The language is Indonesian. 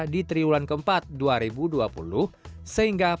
ketika investasi ini berjalan keras